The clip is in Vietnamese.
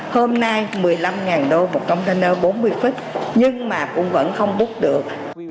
hôm nay một mươi năm đô một container bốn mươi feet nhưng mà cũng vẫn không bút được